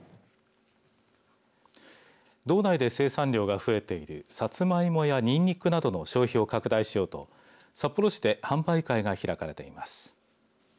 道内で生産量が増えているさつまいもやにんにくなどの消費を拡大しようと札幌市で販売会が開かれています。